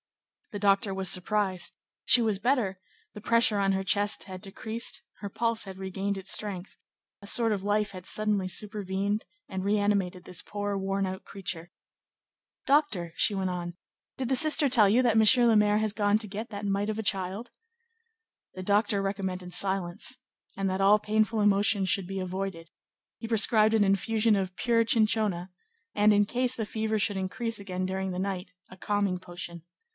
The doctor was surprised; she was better; the pressure on her chest had decreased; her pulse had regained its strength; a sort of life had suddenly supervened and reanimated this poor, worn out creature. "Doctor," she went on, "did the sister tell you that M. le Maire has gone to get that mite of a child?" The doctor recommended silence, and that all painful emotions should be avoided; he prescribed an infusion of pure chinchona, and, in case the fever should increase again during the night, a calming potion.